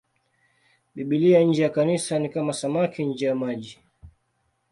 Biblia nje ya Kanisa ni kama samaki nje ya maji.